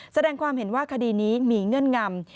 แสดงความเห็นว่าคดีนี้มีเงื่อนงำ